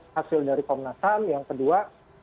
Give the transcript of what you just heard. hasil dari komnas ham yang kedua